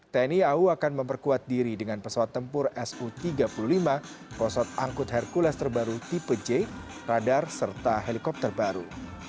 tni au akan memperkuat diri dengan pesawat tempur su tiga puluh lima prosot angkut hercules terbaru tipe j radar serta helikopter baru